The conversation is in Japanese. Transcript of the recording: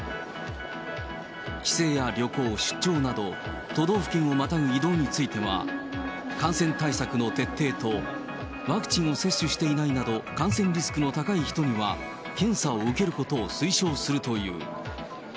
帰省や旅行、出張など、都道府県をまたぐ移動については、感染対策の徹底と、ワクチン接種していないなど、感染リスクの高い人には検査を受けることを推奨するという。